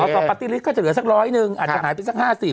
แล้วก็ต่อปฏิริกษ์ก็จะเหลือสักร้อยหนึ่งอาจจะหายไปสักห้าสิบ